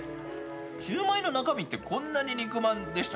シューマイの中身ってこんなに肉まんでしたっけ。